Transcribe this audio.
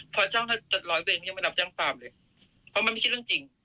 พอเจ้าร้อยเวรก็ยังไม่รับแจ้งความเลยเพราะมันไม่ใช่เรื่องจริง